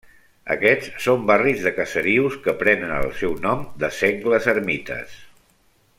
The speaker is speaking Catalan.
Aquests són barris de caserius que prenen el seu nom de sengles ermites.